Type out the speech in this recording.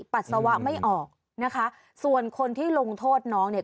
ปัสสาวะไม่ออกนะคะส่วนคนที่ลงโทษน้องเนี่ย